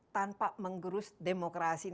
tanpa menggerus demokrasi